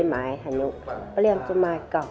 vâng vâng cháu vâng